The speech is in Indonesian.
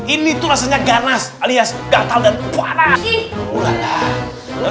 ini tuh rasanya ganas alias gatal dan parah